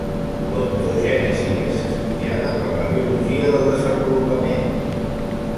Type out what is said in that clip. L'ontogènesi és estudiada per la biologia del desenvolupament.